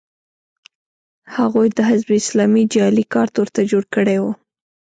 هغوی د حزب اسلامي جعلي کارت ورته جوړ کړی و